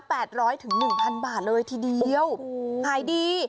ร้อยถึงหนึ่งพันบาทเลยทีเดียวโอ้โหขายดี